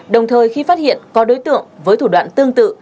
đồng thời khi phát hiện có đối tượng với thủ đoạn tương tự